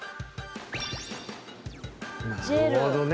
なるほどね。